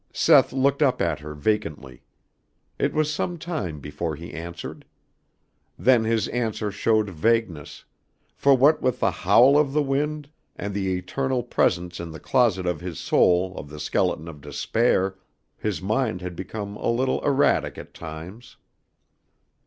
Seth looked up at her vacantly. It was some time before he answered. Then his answer showed vagueness; for what with the howl of the wind and the eternal presence in the closet of his soul of the skeleton of despair, his mind had become a little erratic at times.